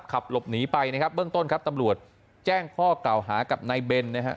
ขับหลบหนีไปนะครับเบื้องต้นครับตำรวจแจ้งข้อกล่าวหากับนายเบนนะฮะ